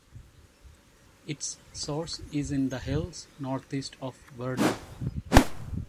Its source is in the hills northeast of Verdun.